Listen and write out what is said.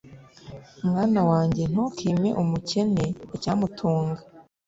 Mwana wanjye, ntukime umukene icyamutunga,